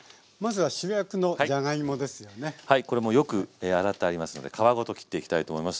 はいこれもうよく洗ってありますので皮ごと切っていきたいと思います。